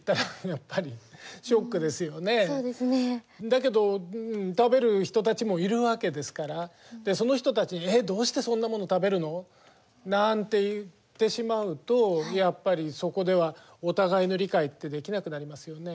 だけど食べる人たちもいるわけですからその人たちに「えっどうしてそんなもの食べるの？」なんて言ってしまうとやっぱりそこではお互いの理解ってできなくなりますよね。